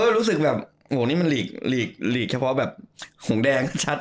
รู้สึกแบบโหนี่มันหลีกเฉพาะแบบหงแดงชัด